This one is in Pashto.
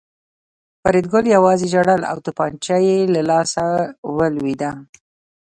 فریدګل یوازې ژړل او توپانچه یې له لاسه ولوېده